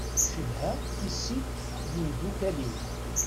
Cedhaɣ tissit d temdukal-iw.